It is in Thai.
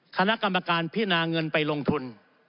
คณะกรรมการพินาเงินไปลงทุน